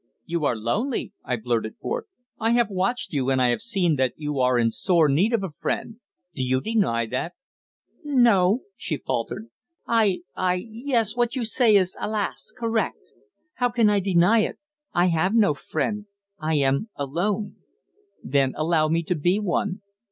"You are lonely," I blurted forth. "I have watched you, and I have seen that you are in sore need of a friend. Do you deny that?" "No," she faltered. "I I yes, what you say is, alas! correct. How can I deny it? I have no friend; I am alone." "Then allow me to be one.